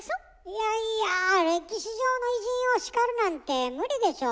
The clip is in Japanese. いやいや歴史上の偉人を叱るなんて無理でしょ。